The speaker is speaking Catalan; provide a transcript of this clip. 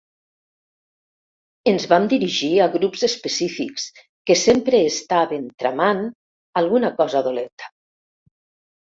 Ens vam dirigir a grups específics que sempre estaven tramant alguna cosa dolenta.